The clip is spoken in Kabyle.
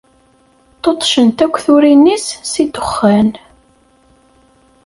Ṭṭuṭṭcent akk turin-is si ddexxan.